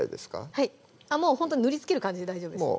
はいもうほんと塗りつける感じで大丈夫です